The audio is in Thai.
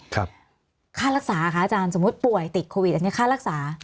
ค่ารักษาคะอาจารย์สมมุติป่วยติดโควิดอันนี้ค่ารักษา